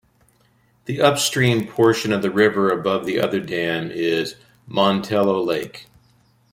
The upstream portion of the river above the other dam is Montello Lake.